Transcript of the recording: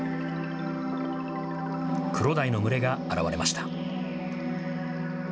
クロダイの群れが現れました。